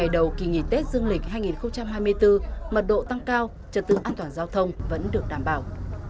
đầu kỳ nghỉ tết dương lịch hai nghìn hai mươi bốn mật độ tăng cao trật tự an toàn giao thông vẫn được đảm bảo